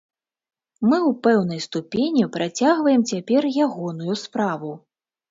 Мы ў пэўнай ступені працягваем цяпер ягоную справу.